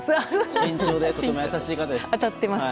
慎重でとても優しい方です。